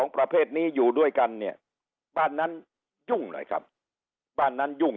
ประเภทนี้อยู่ด้วยกันเนี่ยบ้านนั้นยุ่งหน่อยครับบ้านนั้นยุ่ง